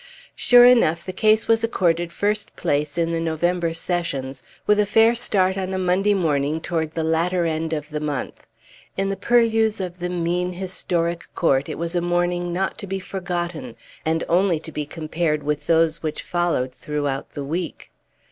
Sure enough, the case was accorded first place in the November Sessions, with a fair start on a Monday morning toward the latter end of the month. In the purlieus of the mean, historic court, it was a morning not to be forgotten, and only to be compared with those which followed throughout the week.